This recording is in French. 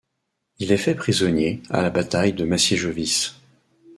Il est fait prisonnier à la bataille de Maciejowice.